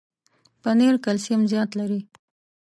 پنېر کلسیم زیات لري.